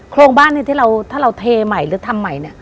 โครงบ้านที่เราถ้าเราเทใหม่หรือทำใหม่